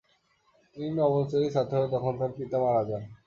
তিনি নবম শ্রেণীর ছাত্র, তখন তার পিতা মারা যান।